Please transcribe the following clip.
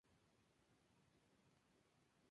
Algunos soldados fueron capturados en el pueblo.